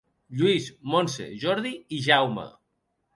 Lluís, Montse, Jordi i Jaume.